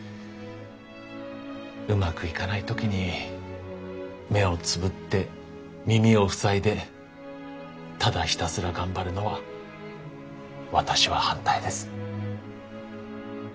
うまくいかない時に目をつぶって耳を塞いでただひたすら頑張るのは私は反対です。